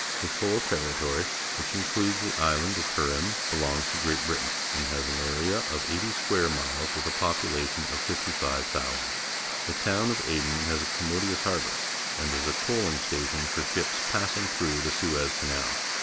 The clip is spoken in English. This whole territory, which includes the island of Pcrim, belongs to Great Britain, and has an area of eighty square miles, with a population of 55,000. The town of Aden has a com modious harbour and is a coaling station for ships passing through the Suez Canal.